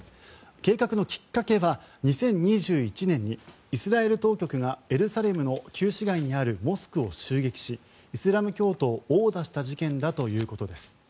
計画のきっかけは２０２１年にイスラエル当局がエルサレムの旧市街にあるモスクを襲撃しイスラム教徒を殴打した事件だということです。